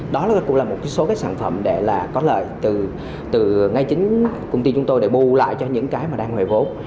đó cũng là một số sản phẩm để có lợi từ ngay chính công ty chúng tôi để bù lại cho những cái đang hồi vốt